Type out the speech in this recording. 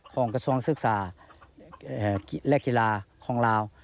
ของกระทรวงศึกษาและกีฬาของลาว